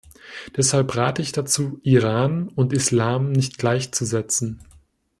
Deshalb rate ich dazu, "Iran" und "Islam" nicht gleichzusetzen.